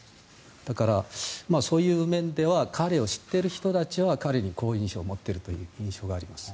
だから、そういう面では彼を知ってる人たちは彼に好印象を持っているという印象があります。